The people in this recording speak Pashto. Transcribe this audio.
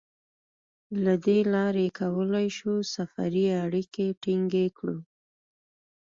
له دې لارې کولای شو سفري اړیکې ټینګې کړو.